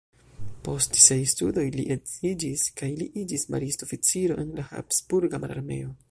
Post siaj studoj li edziĝis kaj li iĝis maristo-oficiro en la Habsburga mararmeo.